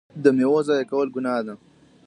د میوو ضایع کول ګناه ده.